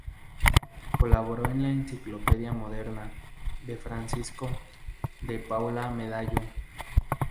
Colaboró en la "Enciclopedia moderna" de Francisco de Paula Mellado.